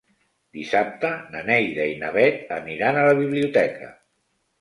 Dissabte na Neida i na Bet aniran a la biblioteca.